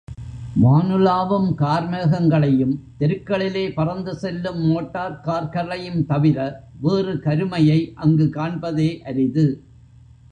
வானுலாவும் கார்மேகங்களையும், தெருக்களிலே பறந்து செல்லும் மோட்டார் கார்களையும் தவிர வேறு கருமையை அங்கு காண்பதே அரிது.